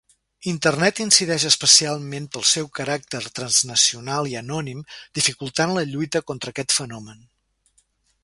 Internet incideix especialment pel seu caràcter transnacional i anònim, dificultant la lluita contra aquest fenomen.